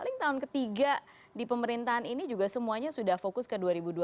paling tahun ketiga di pemerintahan ini juga semuanya sudah fokus ke dua ribu dua puluh